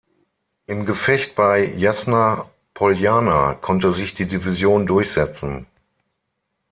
Im Gefecht bei Jasna Poljana konnte sich die Division durchsetzen.